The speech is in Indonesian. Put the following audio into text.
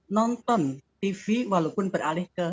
nonton tv walaupun beralih ke